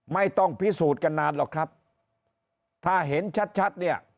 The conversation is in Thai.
ไม่ต้องพิสูจน์กันนานหรอกครับถ้าเห็นชัดชัดเนี่ย